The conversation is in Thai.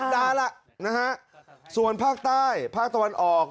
ดาล่ะนะฮะส่วนภาคใต้ภาคตะวันออก